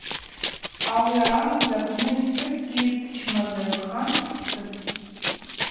Ауи амыз апны йпхӏвысгьи дчмазагӏвхан дпсытӏ.